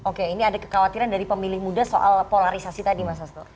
oke ini ada kekhawatiran dari pemilih muda soal polarisasi tadi mas asto